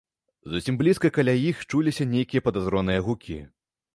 Зусім блізка каля іх чуліся нейкія падазроныя гукі.